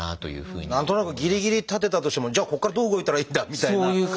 何となくぎりぎり立てたとしてもじゃあここからどう動いたらいいんだみたいな。